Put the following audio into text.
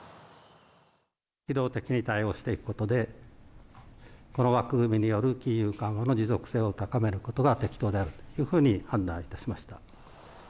機動的に対応していくことで、この枠組みによる金融緩和の持続性を高めることが適当であるというふうに判断いたしました。